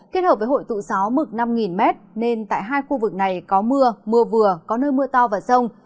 kết hợp với hội tụ gió mực năm m nên tại hai khu vực này có mưa mưa vừa có nơi mưa to và rông